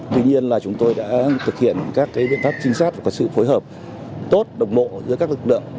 tuy nhiên là chúng tôi đã thực hiện các biện pháp trinh sát và có sự phối hợp tốt đồng bộ giữa các lực lượng